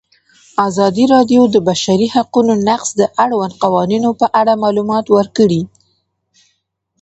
ازادي راډیو د د بشري حقونو نقض د اړونده قوانینو په اړه معلومات ورکړي.